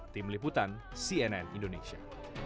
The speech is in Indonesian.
tim liputan cnn indonesia